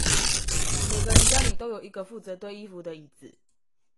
每個人家裡都有一個負責堆衣服的椅子